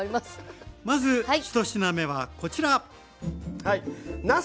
まず１品目はこちら。